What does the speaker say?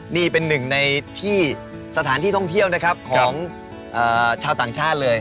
นี่เป็นหนึ่งในที่สถานที่ท่องเที่ยวนะครับของชาวต่างชาติเลย